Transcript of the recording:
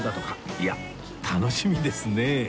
いや楽しみですね